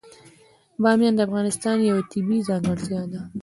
بامیان د افغانستان یوه طبیعي ځانګړتیا ده.